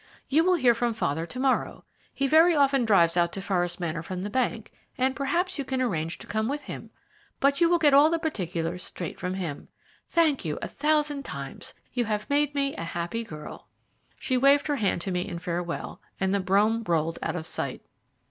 You will hear from father to morrow. He very often drives out to Forest Manor from the bank, and perhaps you can arrange to come with him, but you will get all particulars straight from him. Thank you a thousand times you have made me a happy girl." She waved her hand to me in farewell, and the brougham rolled out of sight.